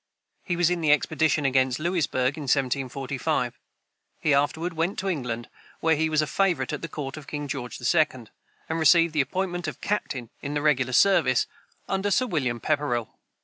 He was in the expedition against Louisburg in 1745. He afterward went to England, where he was a favorite at the court of George II., and received the appointment of captain in the regular service, under Sir William Pepperell.